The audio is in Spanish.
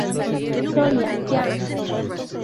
Soria ¡Ya!